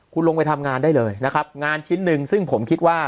คุณลงไปทำงานได้เลยนะครับงานชิ้นหนึ่งซึ่งผมคิดว่า